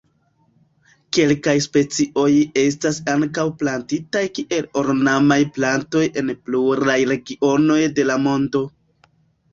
Kelkaj specioj estas ankaŭ plantitaj kiel ornamaj plantoj en pluraj regionoj de la mondo.